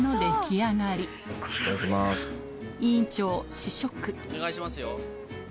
お願いしますよ。